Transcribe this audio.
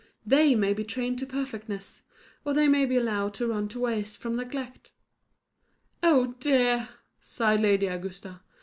They may be trained to perfectness, or they may be allowed to run to waste from neglect." "Oh dear!" sighed Lady Augusta.